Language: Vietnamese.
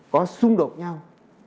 có xung đột nhau